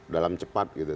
dalam cepat gitu